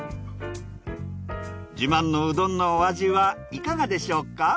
自慢のうどんのお味はいかがでしょうか？